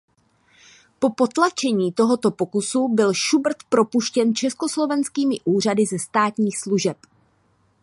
Po potlačení tohoto pokusu byl Schubert propuštěn československými úřady ze státních služeb.